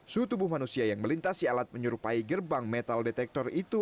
suhu tubuh manusia yang melintasi alat menyerupai gerbang metal detektor itu